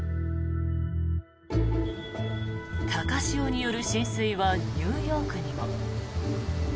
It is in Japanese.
高潮による浸水はニューヨークにも。